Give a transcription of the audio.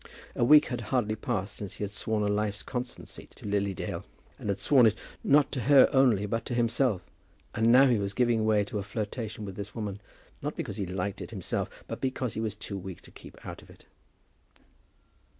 A week had hardly passed since he had sworn a life's constancy to Lily Dale, had sworn it, not to her only, but to himself; and now he was giving way to a flirtation with this woman, not because he liked it himself, but because he was too weak to keep out of it.